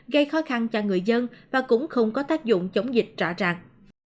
gây khó khăn cho người dân và cũng không có tác dụng chống dịch rõ ràng